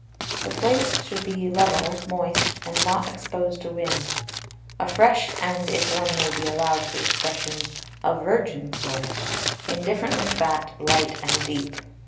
The Place should be level, moist, and not exposed to Winds; a fresh, and (if one may be allow'd the Expression) a Virgin Soil, indifferently fat, light, and deep.